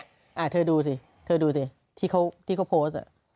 อ่ะเธอดูสิเธอดูสิที่เขาโพสต์อ่ะ